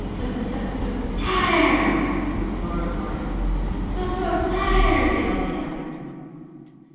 "`F F F Fire!' roared one. "`F F F Fire!' yelled the other.